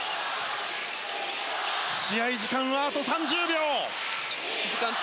試合時間はあと３０秒。